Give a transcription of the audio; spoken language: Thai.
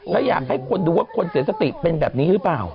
แล้วอยากให้คนดูว่าคนเสียสติเป็นแบบนี้หรือเปล่า